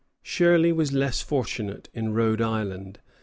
] Shirley was less fortunate in Rhode Island.